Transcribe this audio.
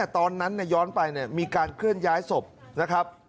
ตอนนั้นย้อนไปมีการเคลื่อนย้ายศพนะครับ